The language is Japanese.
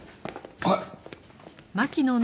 はい。